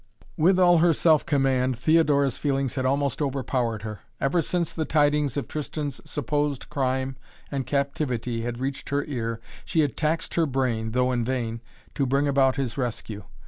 With all her self command Theodora's feelings had almost overpowered her. Ever since the tidings of Tristan's supposed crime and captivity had reached her ear, she had taxed her brain, though in vain, to bring about his rescue.